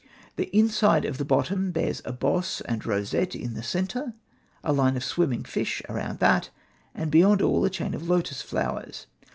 The inside of the bottom bears a boss and rosette in the centre, a line of swimming fish around that, and beyond all a chain of lotus flowers.